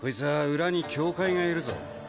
裏に教会がいるぞ